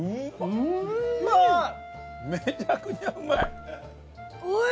めちゃくちゃうまい！